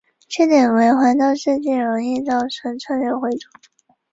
缺点为环道设计容易造成车流回堵。